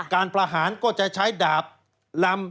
ประหารก็จะใช้ดาบลำ